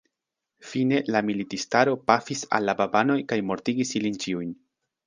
Fine la militistaro pafis al la babanoj kaj mortigis ilin ĉiujn.